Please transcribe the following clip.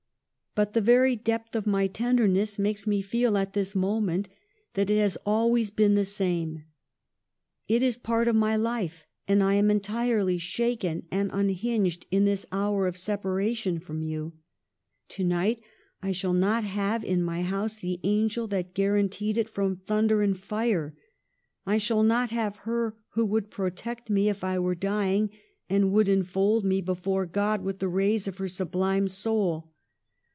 But the very depth of my tenderness makes me feel at this moment that it has always been the same. It is part of my life, and I am entirely shaken and unhinged in this hour of separation from you. To night .... I shall not have in my house the angel that guaranteed it from thun der and fire. I shall not have her who would protect me if I were dying, and would enfold me, before God, with the rays of her sublime soul.